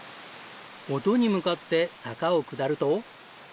音に向かって坂を下ると。